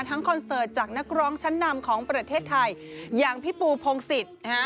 คอนเสิร์ตจากนักร้องชั้นนำของประเทศไทยอย่างพี่ปูพงศิษย์นะฮะ